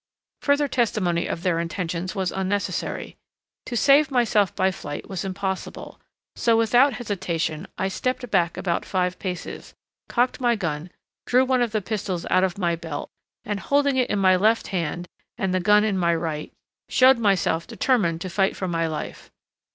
Further testimony of their intentions was unnecessary. To save myself by flight was impossible, so without hesitation I stepped back about five paces, cocked my gun, drew one of the pistols out of my belt, and holding it in my left hand and the gun in my right, showed myself determined to fight for my life.